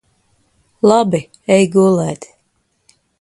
Labi. Ej gulēt.